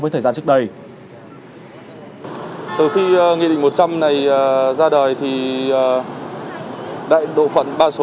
trước ngày ba mươi tháng bốn